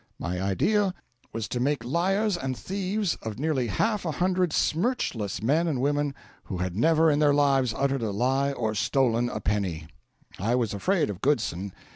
My idea was to make liars and thieves of nearly half a hundred smirchless men and women who had never in their lives uttered a lie or stolen a penny. I was afraid of Goodson.